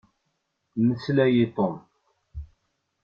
Mmeslay i Tom.